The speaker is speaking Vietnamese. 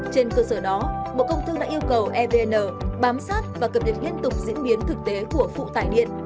trên cơ sở đó bộ công thương đã yêu cầu evn bám sát và cập nhật liên tục diễn biến thực tế của phụ tải điện